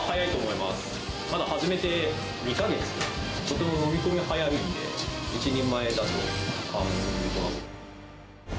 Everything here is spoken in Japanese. まだ始めて２か月、とても飲み込みが早いので、一人前だと考えています。